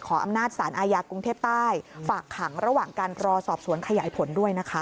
อำนาจสารอาญากรุงเทพใต้ฝากขังระหว่างการรอสอบสวนขยายผลด้วยนะคะ